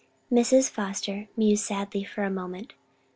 Mrs. Foster mused sadly for a moment.